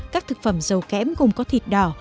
các thực phẩm dầu kẽm gồm có thịt đỏ